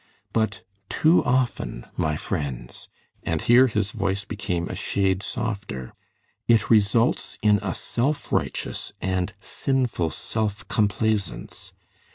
But too often, my friends," and here his voice became a shade softer, "it results in a self righteous and sinful self complaisance.